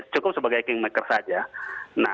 cukup sebagai kingmaker saja